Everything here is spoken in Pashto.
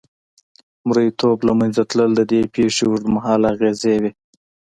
مریتوب له منځه تلل د دې پېښې اوږدمهاله اغېزې وې.